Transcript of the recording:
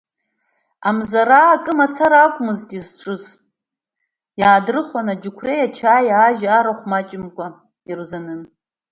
Амзараа акы мацара акәмызт изҿыз, иаадрыхуан аџьықәреи, ачаи, ажь, арахә маҷымкәа ирзанын.